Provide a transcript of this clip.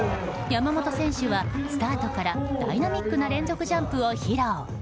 山本選手はスタートからダイナミックな連続ジャンプを披露。